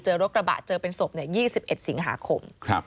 รถกระบะเจอเป็นศพ๒๑สิงหาคม